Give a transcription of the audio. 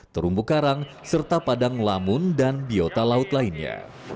terumbu karang serta padang lamun dan biota laut lainnya